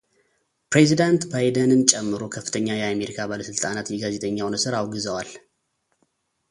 ፕሬዚዳንት ባይደንን ጨምሮ ከፍተኛ የአሜሪካ ባለስልጣናት የጋዜጠኛውን እስር አውግዘዋል።